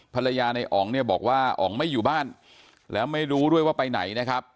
ภรรยาในอ๋องเนี่ยบอกว่าอ๋องไม่อยู่บ้านแล้วไม่รู้ด้วยว่าไปไหนนะครับ